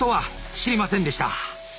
知りませんでした。